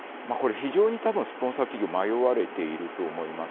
非常にスポンサー企業、迷われていると思います。